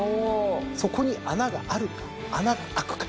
そこに穴があるか穴があくか。